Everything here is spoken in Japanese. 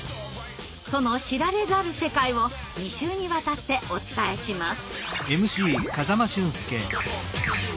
その知られざる世界を２週にわたってお伝えします。